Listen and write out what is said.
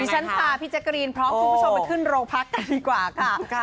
ฉันพาพี่แจ๊กรีนพร้อมคุณผู้ชมไปขึ้นโรงพักกันดีกว่าค่ะ